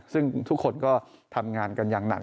ซึ่งทุกคนก็ทำงานกันอย่างหนัก